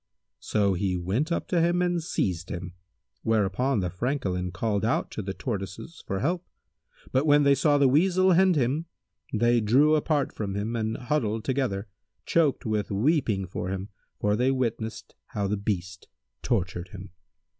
So he went up to him and seized him, whereupon the Francolin called out to the Tortoises for help; but when they saw the Weasel hend him, they drew apart from him and huddled together, choked with weeping for him, for they witnessed how the beast tortured him.